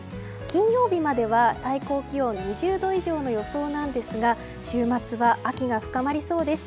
金曜日までは最高気温２０度以上の予想なんですが週末は秋が深まりそうです。